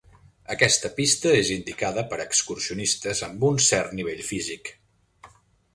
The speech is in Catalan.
Aquesta pista és indicada per a excursionistes amb un cert nivell físic.